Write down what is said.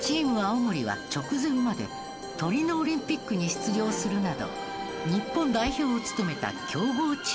青森は直前までトリノオリンピックに出場するなど日本代表を務めた強豪チームでした。